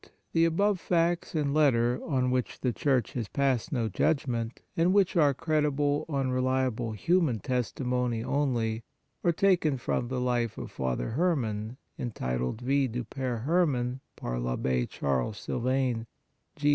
The above facts and letter, on which the Church has passed no judgment, and which are credible on reliable human testimony only, are taken from the Life of Father Her man entitled : Vie du P. Hermann par 1 Abbe Charles Sylvain, G.